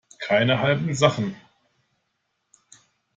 Keine halben Sachen.